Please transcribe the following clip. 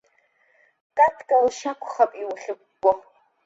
Катка лшьакәхап иухьыкәкәо?